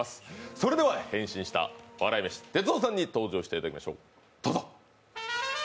それでは変身した笑い飯・哲夫さんに登場していただきましょう。